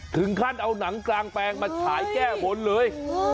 ถึงขั้นเอาหนังกลางแปลงมาฉายแก้บนเลย